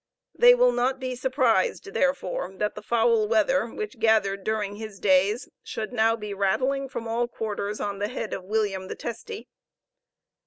They will not be surprised, therefore, that the foul weather which gathered during his days should now be rattling from all quarters on the head of William the Testy.